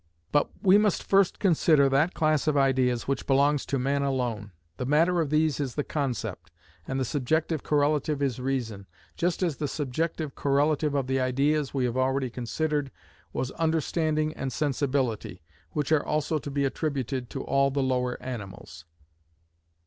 But we must first consider that class of ideas which belongs to man alone. The matter of these is the concept, and the subjective correlative is reason, just as the subjective correlative of the ideas we have already considered was understanding and sensibility, which are also to be attributed to all the lower animals.